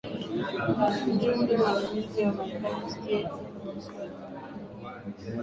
mjumbe mwandamizi wa marekani stephen boswath anaelekea china